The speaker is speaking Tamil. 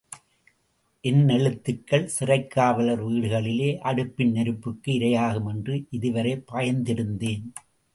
என் எழுத்துக்கள் சிறைக்காவலர் வீடுகளிலே அடுப்பின் நெருப்புக்கு இரையாகும் என்று இதுவரை பயந்திருந்தேன்.